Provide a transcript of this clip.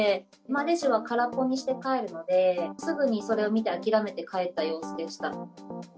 レジは空っぽにして帰るので、すぐにそれを見て諦めて帰った様子でした。